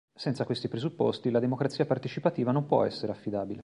Senza questi presupposti, la Democrazia Partecipativa non può essere affidabile.